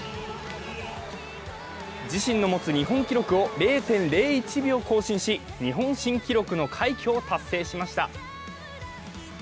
自身の持つ日本記録を０．０１秒更新し、日本新記録の快挙を達成しました。